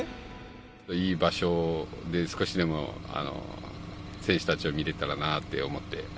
いい場所で少しでも選手たちを見れたらなと思って。